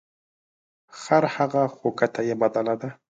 خرهغه خو کته یې بدله ده .